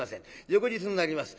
翌日になります。